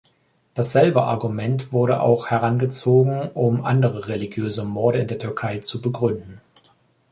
Dasselbe Argument wurde auch herangezogen, um andere religiöse Morde in der Türkei zu begründen.